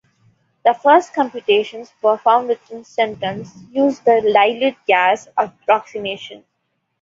The first computations performed with instantons used the dilute gas approximation.